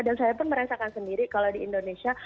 dan saya pun merasakan sendiri kalau di indonesia